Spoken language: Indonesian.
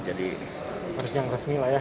jadi yang resmi